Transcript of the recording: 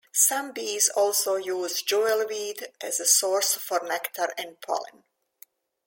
Some bees also use jewelweed as a source for nectar and pollen.